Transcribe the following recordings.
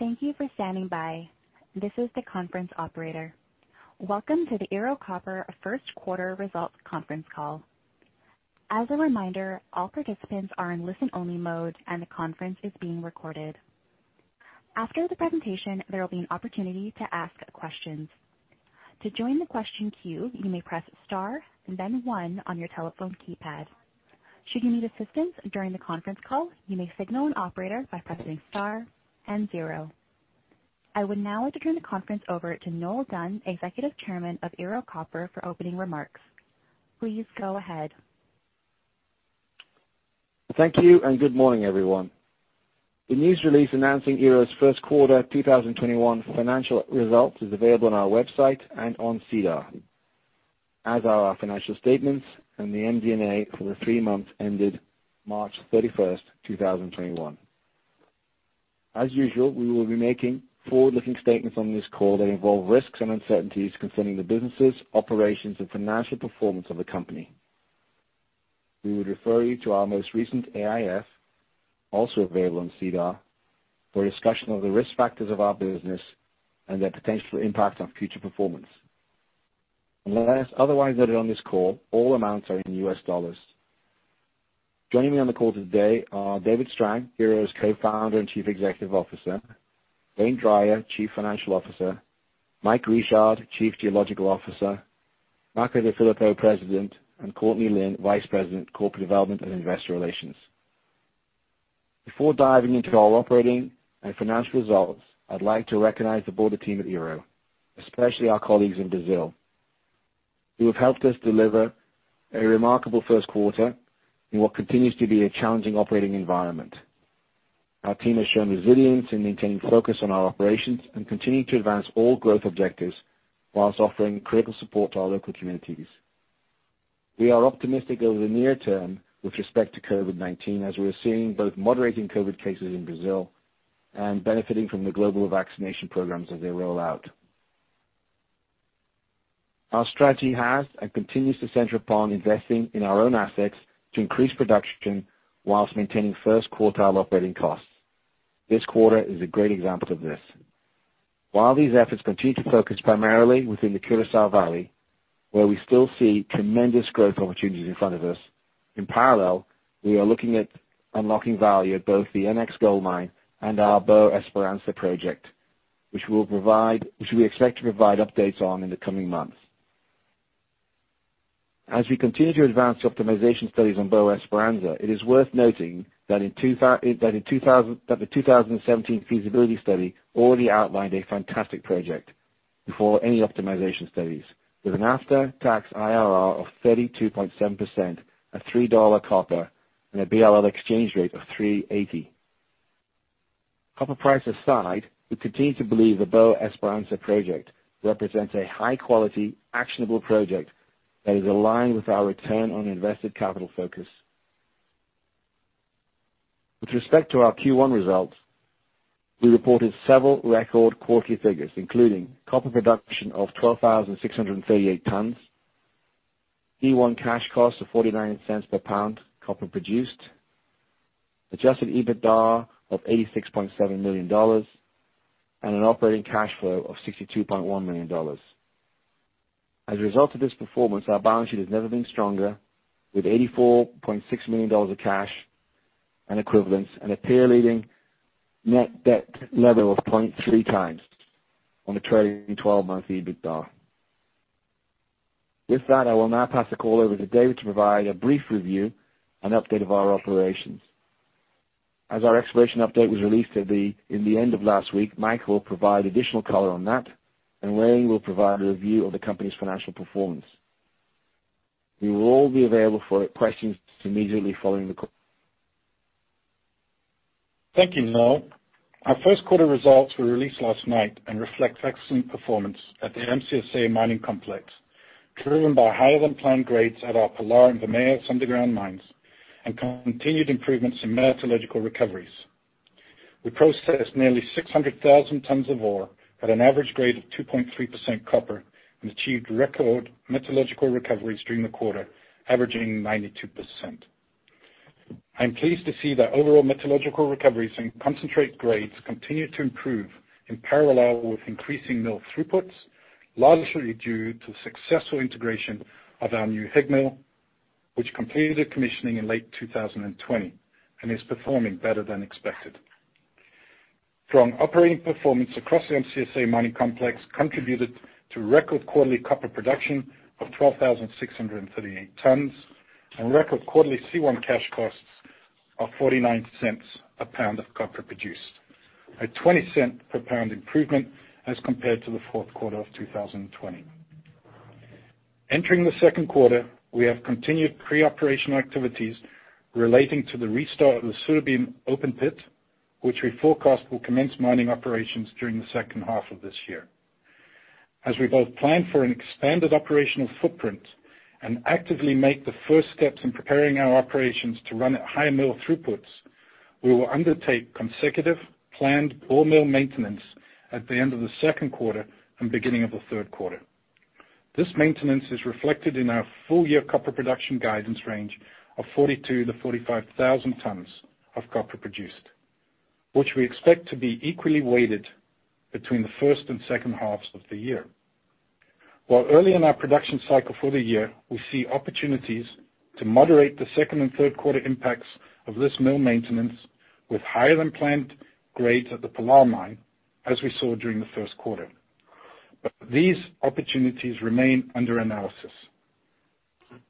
Thank you for standing by. This is the conference operator. Welcome to the Ero Copper first quarter results conference call. As a reminder, all participants are in listen-only mode and the conference is being recorded. After the presentation, there will be an opportunity to ask questions. To join the question queue, you may press star, then one on your telephone keypad. Should you need assistance during the conference call, you may signal an operator by pressing star and zero. I would now like to turn the conference over to Noel Dunn, Executive Chairman of Ero Copper, for opening remarks. Please go ahead. Thank you. Good morning, everyone. The news release announcing Ero Copper's first quarter 2021 financial results is available on our website and on SEDAR, as are our financial statements and the MD&A for the three months ended March 31st, 2021. As usual, we will be making forward-looking statements on this call that involve risks and uncertainties concerning the businesses, operations, and financial performance of the company. We would refer you to our most recent AIF, also available on SEDAR, for a discussion of the risk factors of our business and their potential impact on future performance. Unless otherwise noted on this call, all amounts are in U.S. dollars. Joining me on the call today are David Strang, Ero Copper's Co-founder and Chief Executive Officer, Wayne Drier, Chief Financial Officer, Mike Richard, Chief Geological Officer, Makko DeFilippo, President, and, Vice President, Corporate Development and Investor Relations. Before diving into our operating and financial results, I'd like to recognize the broader team at Ero, especially our colleagues in Brazil, who have helped us deliver a remarkable first quarter in what continues to be a challenging operating environment. Our team has shown resilience in maintaining focus on our operations and continuing to advance all growth objectives whilst offering critical support to our local communities. We are optimistic over the near term with respect to COVID-19, as we're seeing both moderating COVID cases in Brazil and benefiting from the global vaccination programs as they roll out. Our strategy has and continues to center upon investing in our own assets to increase production whilst maintaining first quartile operating costs. This quarter is a great example of this. While these efforts continue to focus primarily within the Curaçá Valley, where we still see tremendous growth opportunities in front of us, in parallel, we are looking at unlocking value at both the NX Gold Mine and our Boa Esperança project, which we expect to provide updates on in the coming months. As we continue to advance optimization studies on Boa Esperança, it is worth noting that the 2017 feasibility study already outlined a fantastic project before any optimization studies, with an after-tax IRR of 32.7% at $3 copper and a BRL exchange rate of 3.80. Copper price aside, we continue to believe the Boa Esperança project represents a high-quality, actionable project that is aligned with our return on invested capital focus. With respect to our Q1 results, we reported several record quarterly figures, including copper production of 12,638 tons, C1 cash costs of 49 cents per pound copper produced, adjusted EBITDA of $86.7 million, and an operating cash flow of $62.1 million. As a result of this performance, our balance sheet has never been stronger, with $84.6 million of cash and equivalents and a peer-leading net debt level of 0.3 times on a trailing 12-month EBITDA. With that, I will now pass the call over to David to provide a brief review and update of our operations. As our exploration update was released in the end of last week, Mike will provide additional color on that, and Wayne will provide a review of the company's financial performance. We will all be available for questions immediately following the call. Thank you, Noel. Our first quarter results were released last night and reflect excellent performance at the MCSA Mining Complex, driven by higher-than-planned grades at our Pilar and Limeira underground mines and continued improvements in metallurgical recoveries. We processed nearly 600,000 tons of ore at an average grade of 2.3% copper and achieved record metallurgical recoveries during the quarter, averaging 92%. I am pleased to see that overall metallurgical recoveries and concentrate grades continue to improve in parallel with increasing mill throughputs, largely due to the successful integration of our new AG mill, which completed commissioning in late 2020 and is performing better than expected. Strong operating performance across the MCSA Mining Complex contributed to record quarterly copper production of 12,638 tons and record quarterly C1 cash costs of $0.49 a pound of copper produced, a 20 cents per pound improvement as compared to the fourth quarter of 2020. Entering the second quarter, we have continued pre-operation activities relating to the restart of the Surubim open pit, which we forecast will commence mining operations during the second half of this year. As we both plan for an expanded operational footprint and actively make the first steps in preparing our operations to run at high mill throughputs, we will undertake consecutive planned ball mill maintenance at the end of the second quarter and beginning of the third quarter. This maintenance is reflected in our full-year copper production guidance range of 42,000-45,000 tonnes of copper produced, which we expect to be equally weighted between the first and second halves of the year. While early in our production cycle for the year, we see opportunities to moderate the second and third quarter impacts of this mill maintenance with higher-than-planned grades at the Pilar mine, as we saw during the first quarter. These opportunities remain under analysis.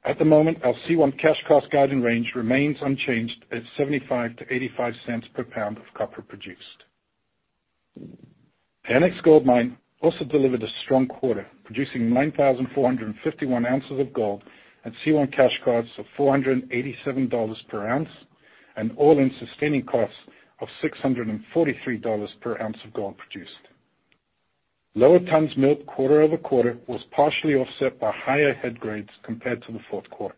At the moment, our C1 cash costs guidance range remains unchanged at 75 cents-85 cents per pound of copper produced. NX Gold Mine also delivered a strong quarter, producing 9,451 ounces of gold at C1 cash costs of $487 per ounce and all-in sustaining costs of $643 per ounce of gold produced. Lower tonnes milled quarter-over-quarter was partially offset by higher head grades compared to the fourth quarter,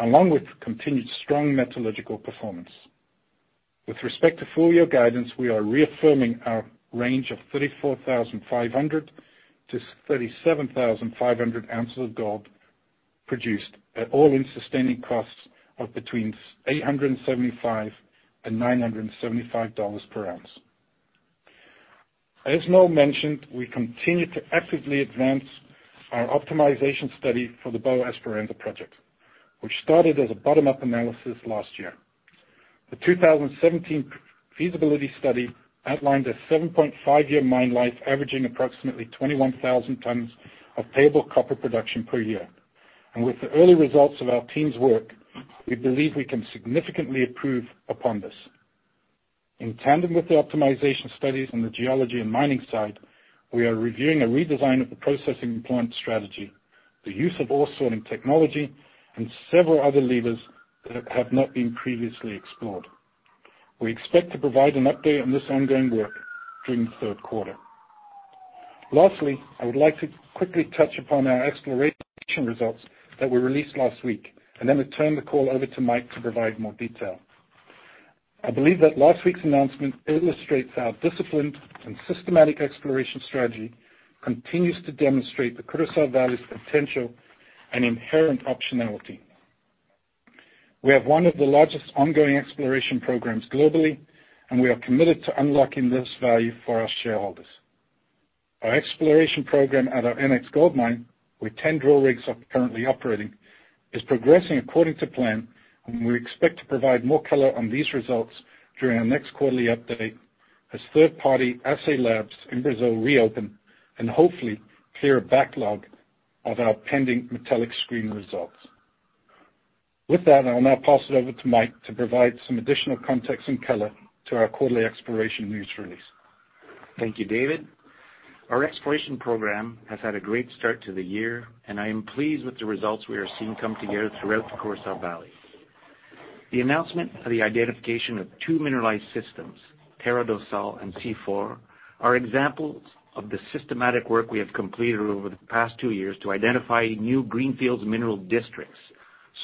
along with continued strong metallurgical performance. With respect to full-year guidance, we are reaffirming our range of 34,500-37,500 ounces of gold produced at all-in sustaining costs of between $875 and $975 per ounce. As Noel mentioned, we continue to actively advance our optimization study for the Boa Esperança project, which started as a bottom-up analysis last year. The 2017 feasibility study outlined a 7.5-year mine life, averaging approximately 21,000 tonnes of payable copper production per year. With the early results of our team's work, we believe we can significantly improve upon this. In tandem with the optimization studies on the geology and mining side, we are reviewing a redesign of the processing plant strategy, the use of ore sorting technology, and several other levers that have not been previously explored. We expect to provide an update on this ongoing work during the third quarter. Lastly, I would like to quickly touch upon our exploration results that were released last week, and then return the call over to Mike to provide more detail. I believe that last week's announcement illustrates our disciplined and systematic exploration strategy continues to demonstrate the Curaçá Valley's potential and inherent optionality. We have one of the largest ongoing exploration programs globally, and we are committed to unlocking this value for our shareholders. Our exploration program at our NX Gold Mine, where 10 drill rigs are currently operating, is progressing according to plan, and we expect to provide more color on these results during our next quarterly update as third-party assay labs in Brazil reopen and hopefully clear a backlog of our pending metallic screen results. With that, I'll now pass it over to Mike to provide some additional context and color to our quarterly exploration news release. Thank you, David. Our exploration program has had a great start to the year, and I am pleased with the results we are seeing come together throughout the Curaçá Valley. The announcement of the identification of two mineralized systems, Terra do Sol and C4, are examples of the systematic work we have completed over the past two years to identify new greenfields mineral districts.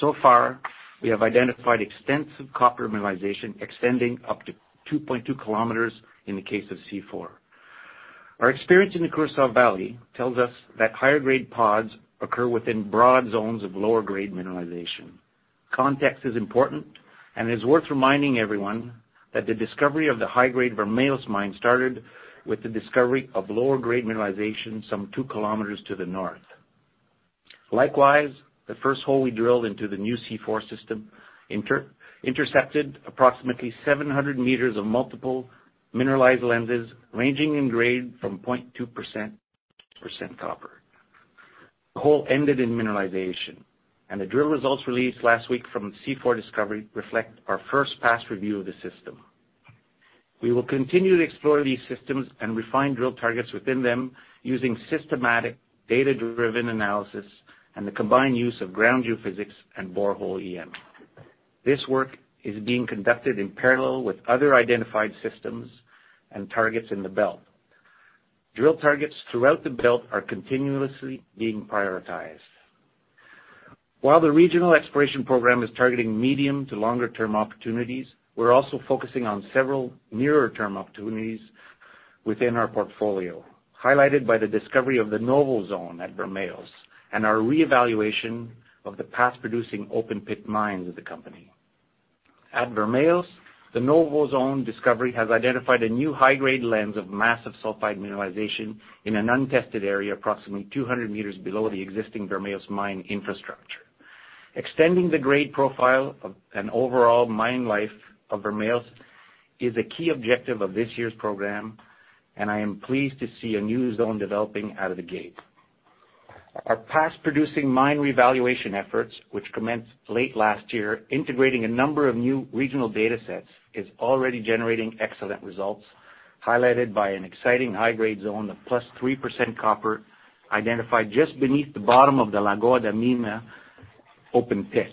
So far, we have identified extensive copper mineralization extending up to 2.2 kilometers in the case of C4. Our experience in the Curaçá Valley tells us that higher-grade pods occur within broad zones of lower-grade mineralization. Context is important, and it's worth reminding everyone that the discovery of the high-grade Vermelhos mine started with the discovery of lower-grade mineralization some two kilometers to the north. Likewise, the first hole we drilled into the new C4 system intercepted approximately 700 meters of multiple mineralized lenses ranging in grade from 0.2% copper. The hole ended in mineralization, the drill results released last week from C4 discovery reflect our first pass review of the system. We will continue to explore these systems and refine drill targets within them using systematic data-driven analysis and the combined use of ground geophysics and borehole EM. This work is being conducted in parallel with other identified systems and targets in the belt. Drill targets throughout the belt are continuously being prioritized. While the regional exploration program is targeting medium to longer-term opportunities, we're also focusing on several nearer-term opportunities within our portfolio, highlighted by the discovery of the Novo zone at Vermelhos and our reevaluation of the past producing open-pit mines of the company. At Vermelhos, the Novo zone discovery has identified a new high-grade lens of massive sulfide mineralization in an untested area approximately 200 meters below the existing Vermelhos mine infrastructure. Extending the grade profile of an overall mine life of Vermelhos is a key objective of this year's program, and I am pleased to see a new zone developing out of the gate. Our past-producing mine revaluation efforts, which commenced late last year, integrating a number of new regional datasets, is already generating excellent results, highlighted by an exciting high-grade zone of +3% copper identified just beneath the bottom of the Lagoa da Mina open pit.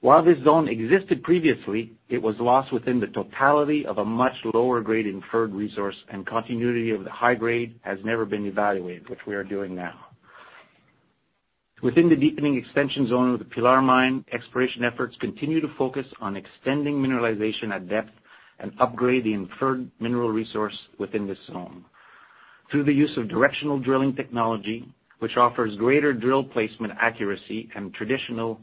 While this zone existed previously, it was lost within the totality of a much lower-grade inferred resource, and continuity of the high grade has never been evaluated, which we are doing now. Within the deepening extension zone of the Pilar mine, exploration efforts continue to focus on extending mineralization at depth and upgrade the inferred mineral resource within this zone. Through the use of directional drilling technology, which offers greater drill placement accuracy than traditional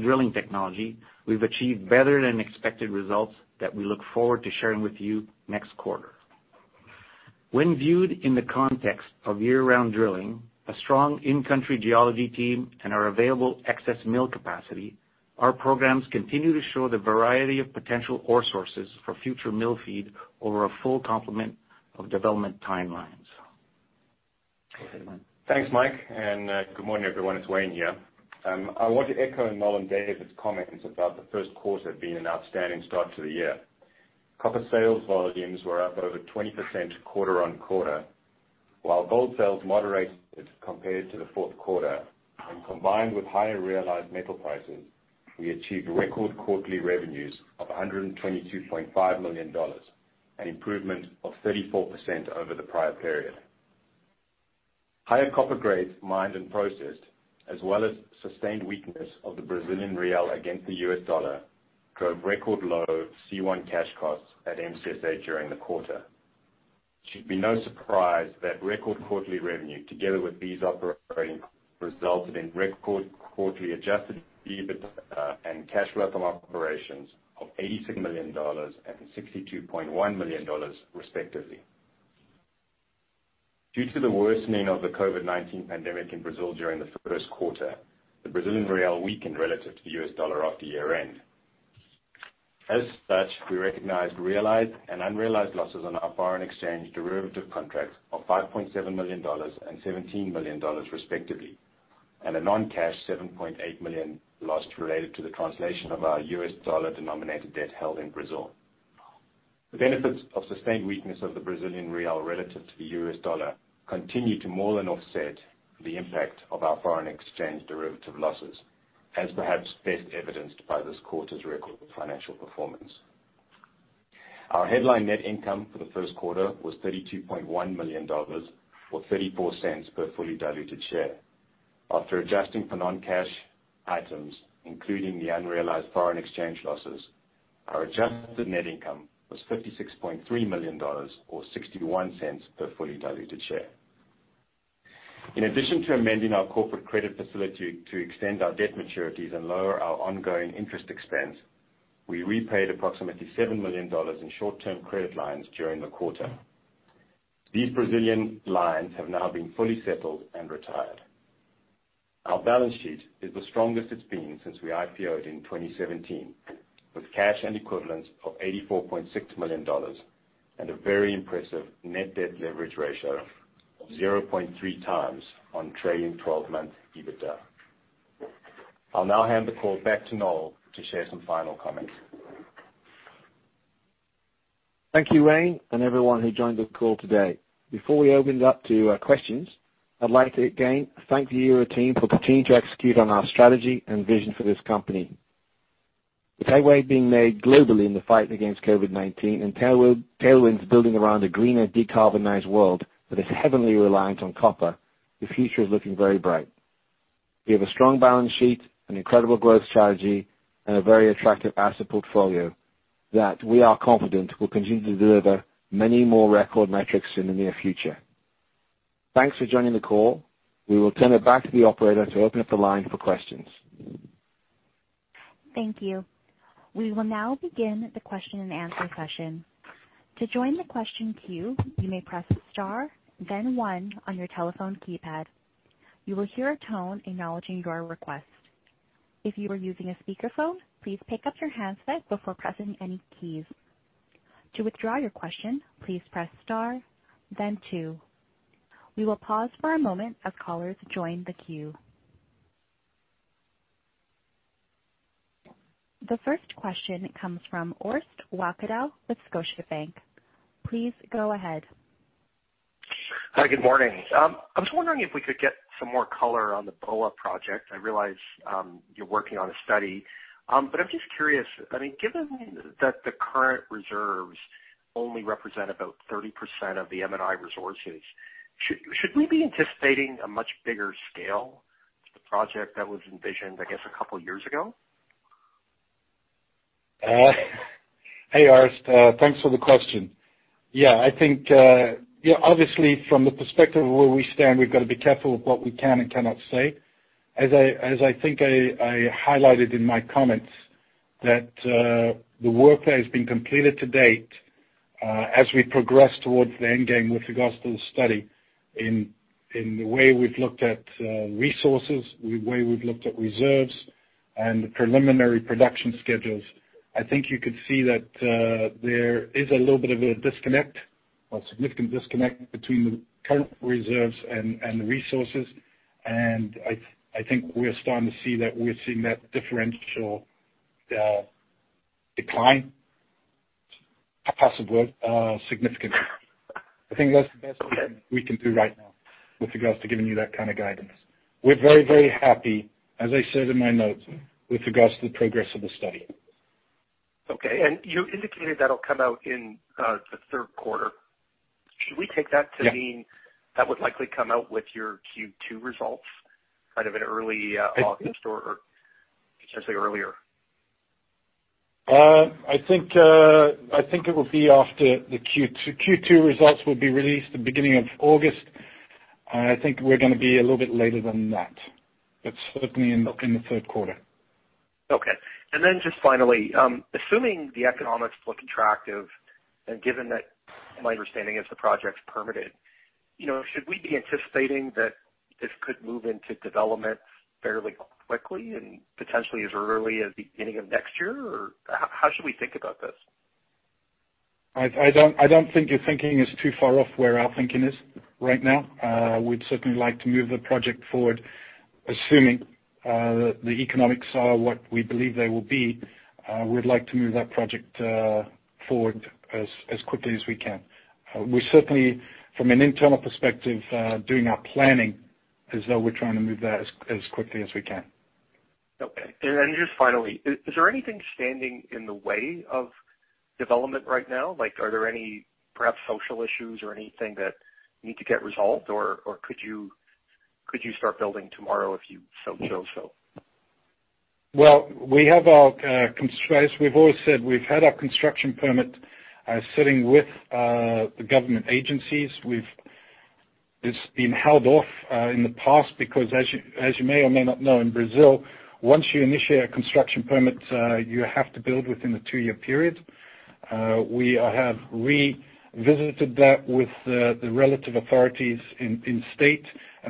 drilling technology, we've achieved better-than-expected results that we look forward to sharing with you next quarter. When viewed in the context of year-round drilling, a strong in-country geology team, and our available excess mill capacity, our programs continue to show the variety of potential ore sources for future mill feed over a full complement of development timelines. Go ahead, Wayne. Thanks, Mike, and good morning, everyone. It's Wayne here. I want to echo Noel and David's comments about the first quarter being an outstanding start to the year. Copper sales volumes were up over 20% quarter-on-quarter, while gold sales moderated compared to the fourth quarter, and combined with higher realized metal prices, we achieved record quarterly revenues of $122.5 million, an improvement of 34% over the prior period. Higher copper grades mined and processed, as well as sustained weakness of the Brazilian real against the U.S. dollar, drove record low C1 cash costs at MCSA during the quarter. It should be no surprise that record quarterly revenue resulted in record quarterly adjusted EBITDA and cash flow from operations of $86 million and $62.1 million, respectively. Due to the worsening of the COVID-19 pandemic in Brazil during the first quarter, the Brazilian real weakened relative to the U.S. dollar after year-end. We recognized realized and unrealized losses on our foreign exchange derivative contracts of $5.7 million and $17 million, respectively, and a non-cash $7.8 million loss related to the translation of our U.S. dollar-denominated debt held in Brazil. The benefits of sustained weakness of the Brazilian real relative to the U.S. dollar continue to more than offset the impact of our foreign exchange derivative losses, as perhaps best evidenced by this quarter's record financial performance. Our headline net income for the first quarter was $32.1 million, or 44 cents per fully diluted share. After adjusting for non-cash items, including the unrealized foreign exchange losses, our adjusted net income was $56.3 million or 61 cents per fully diluted share. In addition to amending our corporate credit facility to extend our debt maturities and lower our ongoing interest expense, we repaid approximately $7 million in short-term credit lines during the quarter. These Brazilian lines have now been fully settled and retired. Our balance sheet is the strongest it's been since we IPO'd in 2017, with cash and equivalents of $84.6 million and a very impressive net debt leverage ratio of 0.3 times on trailing 12-month EBITDA. I'll now hand the call back to Noel to share some final comments. Thank you, Wayne, and everyone who joined this call today. Before we open it up to questions, I'd like to again thank the Ero team for continuing to execute on our strategy and vision for this company. With headway being made globally in the fight against COVID-19 and tailwinds building around a greener decarbonized world that is heavily reliant on copper, the future is looking very bright. We have a strong balance sheet, an incredible growth strategy, and a very attractive asset portfolio that we are confident will continue to deliver many more record metrics in the near future. Thanks for joining the call. We will turn it back to the operator to open up the line for questions. Thank you. We will now begin the question-and-answer session. To join the question queue, you may press star then one on your telephone keypad. You will hear a tone acknowledging your request. If you are using a speakerphone, please pick up your handset before pressing any keys. To withdraw your question, please press star then two. We will pause for a moment as callers join the queue. The first question comes from Orest Wowkodaw with Scotiabank.. Please go ahead. Hi, good morning. I was wondering if we could get some more color on the Boa project. I realize you're working on a study, but I'm just curious. Given that the current reserves only represent about 30% of the M&I resources, should we be anticipating a much bigger scale to the project that was envisioned, I guess, a couple of years ago? Hey, Orest. Thanks for the question. Yeah, obviously, from the perspective of where we stand, we've got to be careful of what we can and cannot say. As I think I highlighted in my comments that the work that has been completed to date, as we progress towards the end game with regards to the study in the way we've looked at resources, the way we've looked at reserves, and the preliminary production schedules, I think you could see that there is a little bit of a disconnect or significant disconnect between the current reserves and the resources. I think we are starting to see that we're seeing that differential decline, possible, significantly. I think that's the best we can do right now with regards to giving you that kind of guidance. We're very, very happy, as I said in my notes, with regards to the progress of the study. Okay. You indicated that'll come out in the third quarter. Should we take that to mean that would likely come out with your Q2 results, kind of an early August or potentially earlier? I think Q2 results will be released the beginning of August. I think we're going to be a little bit later than that, but certainly in the third quarter. Okay. Just finally, assuming the economics look attractive, and given that my understanding is the project's permitted, should we be anticipating that this could move into development fairly quickly and potentially as early as the beginning of next year? How should we think about this? I don't think your thinking is too far off where our thinking is right now. We'd certainly like to move the project forward, assuming the economics are what we believe they will be. We'd like to move that project forward as quickly as we can. We certainly, from an internal perspective, doing our planning as though we're trying to move that as quickly as we can. Okay. Just finally, is there anything standing in the way of development right now? Are there any perhaps social issues or anything that need to get resolved, or could you start building tomorrow if you so chose so? Well, as we've always said, we've had our construction permit sitting with the government agencies. It's been held off in the past because, as you may or may not know, in Brazil, once you initiate a construction permit, you have to build within a two-year period.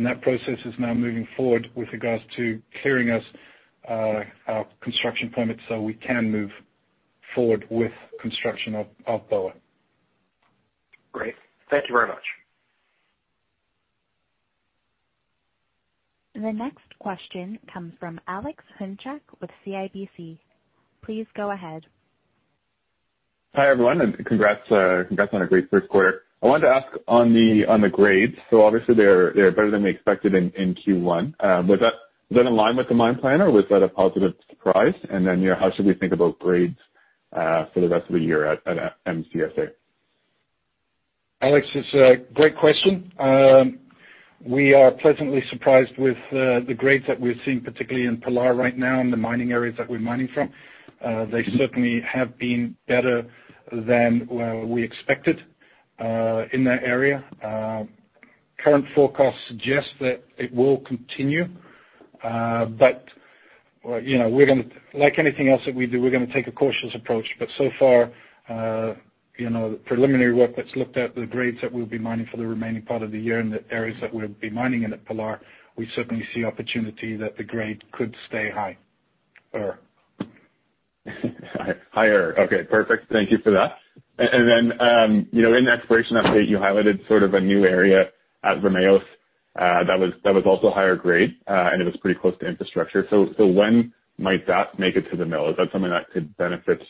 That process is now moving forward with regards to clearing our construction permit so we can move forward with construction of Boa. Great. Thank you very much. The next question comes from Alex Hedzyk with CIBC. Please go ahead. Hi, everyone, congrats on a great third quarter. I wanted to ask on the grades. Obviously they're better than we expected in Q1. Was that in line with the mine plan or was that a positive surprise? How should we think about grades for the rest of the year at MCSA? Alex, it's a great question. We are pleasantly surprised with the grades that we're seeing, particularly in Pilar right now and the mining areas that we're mining from. They certainly have been better than we expected in that area. Current forecasts suggest that it will continue. Like anything else that we do, we're going to take a cautious approach. So far, the preliminary work that's looked at, the grades that we'll be mining for the remaining part of the year and the areas that we'll be mining in at Pilar, we certainly see opportunity that the grade could stay higher. Higher. Okay, perfect. Thank you for that. In the exploration update, you highlighted sort of a new area at Vermelhos that was also higher grade, and it was pretty close to infrastructure. When might that make it to the mill? Is that something that could benefit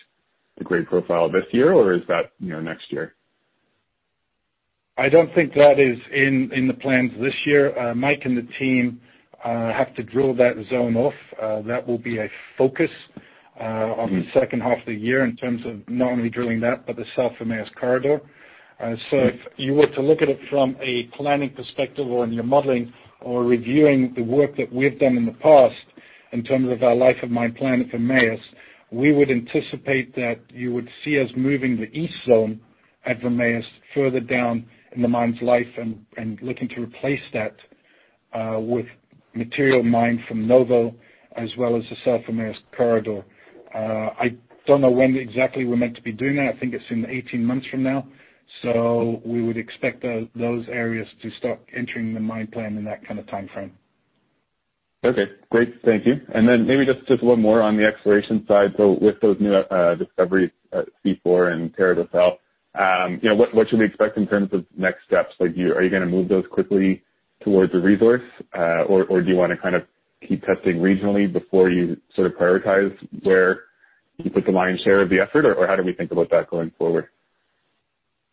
the grade profile this year or is that next year? I don't think that is in the plans this year. Mike and the team have to drill that zone off. That will be a focus on the second half of the year in terms of not only drilling that, but the South Vermelhos corridor. If you were to look at it from a planning perspective or in your modeling or reviewing the work that we've done in the past in terms of our life of mine plan at Vermelhos, we would anticipate that you would see us moving the east zone at Vermelhos further down in the mine's life and looking to replace that with material mined from Novo as well as the South Vermelhos corridor. I don't know when exactly we're meant to be doing that. I think it's in 18 months from now. We would expect those areas to start entering the mine plan in that kind of timeframe. Okay, great. Thank you. Maybe just one more on the exploration side. With those new discoveries at C4 and Terra do Sol, what should we expect in terms of next steps? Are you going to move those quickly towards a resource? Do you want to keep testing regionally before you prioritize where you put the lion's share of the effort, or how do we think about that going forward?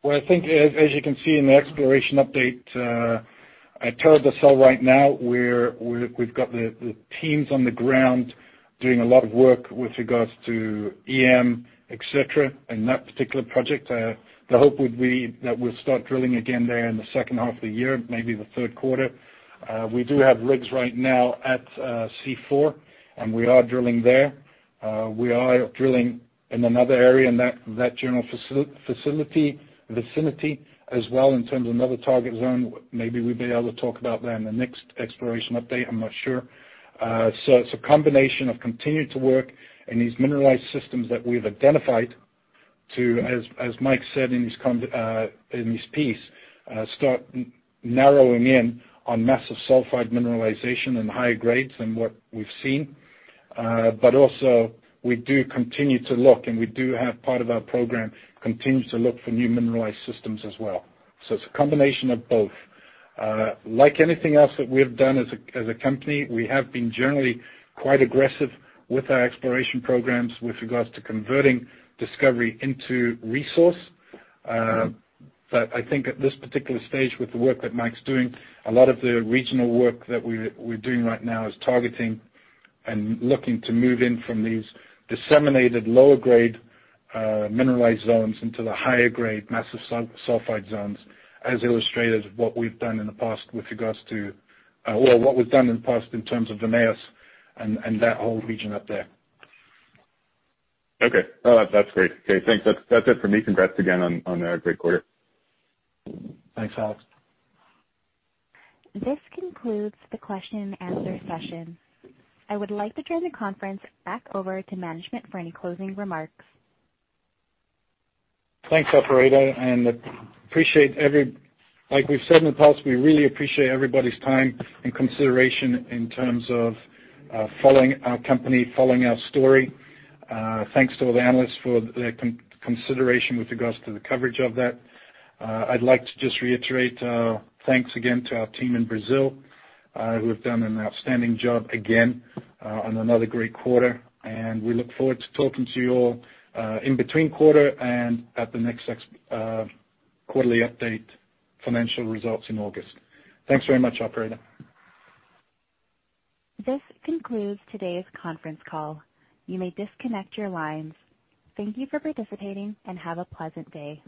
Well, I think as you can see in the exploration update, at Terra do Sol right now, we've got the teams on the ground doing a lot of work with regards to EM, et cetera, in that particular project. The hope would be that we'll start drilling again there in the second half of the year, maybe the third quarter. We do have rigs right now at C4, and we are drilling there. We are drilling in another area in that general vicinity as well in terms of another target zone. Maybe we'd be able to talk about that in the next exploration update, I'm not sure. It's a combination of continuing to work in these mineralized systems that we've identified to, as Mike said in his piece, start narrowing in on massive sulfide mineralization and higher grades than what we've seen. Also we do continue to look and we do have part of our program continues to look for new mineralized systems as well. It's a combination of both. Like anything else that we've done as a company, we have been generally quite aggressive with our exploration programs with regards to converting discovery into resource. I think at this particular stage with the work that Mike's doing, a lot of the regional work that we're doing right now is targeting and looking to move in from these disseminated lower grade mineralized zones into the higher grade massive sulfide zones, as illustrated what we've done in the past with regards to-- What was done in the past in terms of Vermelhos and that whole region up there. Okay. That's great. Okay, thanks. That's it for me. Congrats again on a great quarter. Thanks, Alex. This concludes the question and answer session. I would like to turn the conference back over to management for any closing remarks. Thanks, operator. Like we've said in the past, we really appreciate everybody's time and consideration in terms of following our company, following our story. Thanks to all the analysts for their consideration with regards to the coverage of that. I'd like to just reiterate, thanks again to our team in Brazil, who have done an outstanding job again on another great quarter. We look forward to talking to you all in between quarter and at the next quarterly update financial results in August. Thanks very much, operator. This concludes today's conference call. You may disconnect your lines. Thank you for participating and have a pleasant day.